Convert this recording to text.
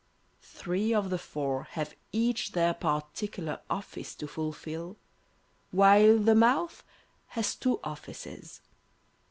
Three of the four have each their particular office to fulfil, while the mouth has two offices.